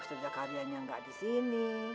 ustazah karyanya gak di sini